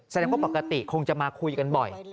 ว่าปกติคงจะมาคุยกันบ่อย